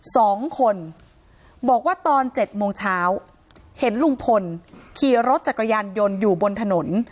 สองคนบอกว่าตอนเจ็ดโมงเช้าเห็นลุงพลขี่รถจักรยานยนต์อยู่บนถนน